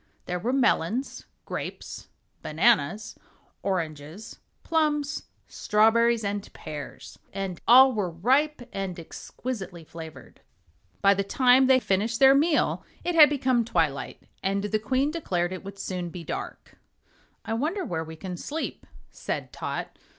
There were melons, grapes, bananas, oranges, plums, strawberries, and pears and all were ripe and exquisitely flavored. By the time they finished their meal it had become twilight, and the Queen declared it would soon be dark. "I wonder where we can sleep," said Tot.